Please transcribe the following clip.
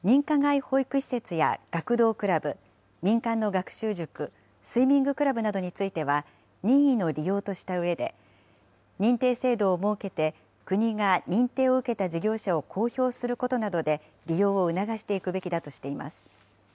認可外保育施設や学童クラブ、民間の学習塾、スイミングクラブなどについては、任意の利用としたうえで、認定制度を設けて、国が認定を受けた事業者を公表することなどで、利用を促していくべきだとしています。